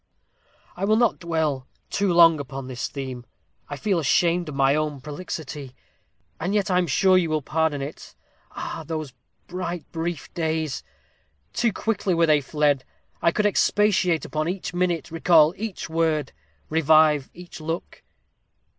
"I will not dwell too long upon this theme. I feel ashamed of my own prolixity. And yet I am sure you will pardon it. Ah, those bright brief days! too quickly were they fled! I could expatiate upon each minute recall each word revive each look.